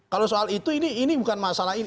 kalau soal itu ini bukan masalah ini